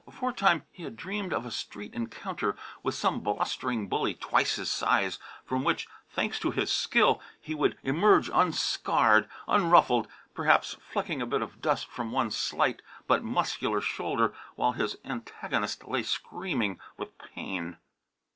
Aforetime he had dreamed of a street encounter, with some blustering bully twice his size, from which, thanks to his skill, he would emerge unscarred, unruffled, perhaps flecking a bit of dust from one slight but muscular shoulder while his antagonist lay screaming with pain.